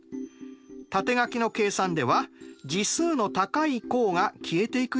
縦書きの計算では次数の高い項が消えていくようにしましたね。